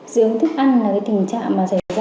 dị ứng thức ăn là tình trạng rẻ ràng